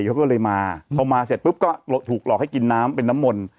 เขาก็เลยมาพอมาเสร็จปุ๊บก็ถูกหลอกให้กินน้ำเป็นน้ำมนต์